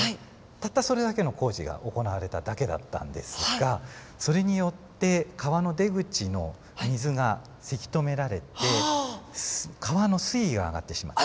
たったそれだけの工事が行われただけだったんですがそれによって川の出口の水がせき止められて川の水位が上がってしまった。